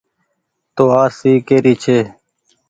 تو آرسي ڪي ري ڇي۔